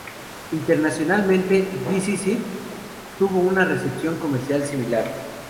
Internacionalmente, "This Is It" tuvo una recepción comercial similar.